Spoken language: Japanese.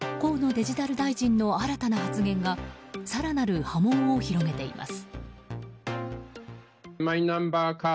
デジタル大臣の新たな発言が更なる波紋を広げています。